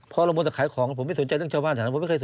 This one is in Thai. พ่อเราบนสักขายของผมไม่สนใจเรื่องเช่าบ้าน